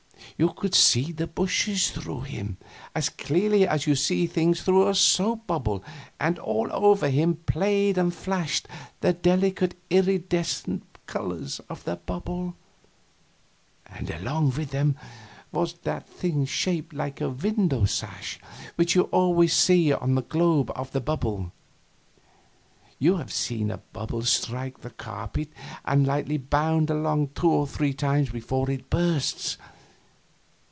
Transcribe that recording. You could see the bushes through him as clearly as you see things through a soap bubble, and all over him played and flashed the delicate iridescent colors of the bubble, and along with them was that thing shaped like a window sash which you always see on the globe of the bubble. You have seen a bubble strike the carpet and lightly bound along two or three times before it bursts.